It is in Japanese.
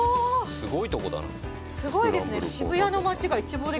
すごいですね。